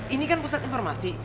ini kan pusat informasi